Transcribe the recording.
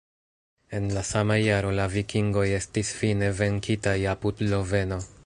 En la sama jaro, la vikingoj estis fine venkitaj apud Loveno.